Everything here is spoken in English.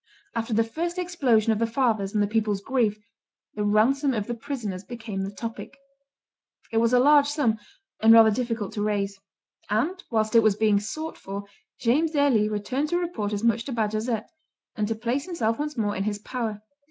After the first explosion of the father's and the people's grief, the ransom of the prisoners became the topic. It was a large sum, and rather difficult to raise; and, whilst it was being sought for, James de Helly returned to report as much to Bajazet, and to place himself once more in his power.